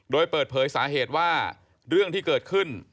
โดยเปิดเผยสาเหตุว่าเรื่องที่เกิดขึ้น